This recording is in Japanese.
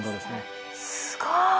すごい。